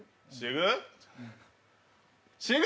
死ぬ？